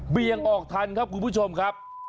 ี่ยงออกทันครับคุณผู้ชมครับ